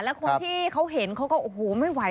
แล้วคนที่เขาเห็นเขาก็โอ้โหไม่ไหว